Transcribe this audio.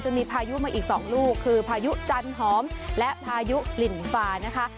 มีพายุมาอีก๒ลูกคือพายุจันหอมและพายุกลิ่นฟานะคะ